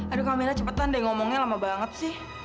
aduh kamera cepetan deh ngomongnya lama banget sih